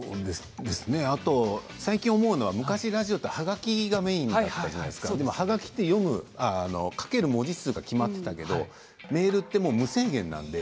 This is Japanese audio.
あと最近、思うのは昔ラジオは、ハガキがメインだったじゃないですかハガキは書ける文字数が決まっていたけどメールって無制限なので。